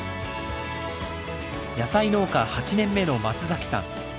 野菜農家８年目の松崎さん。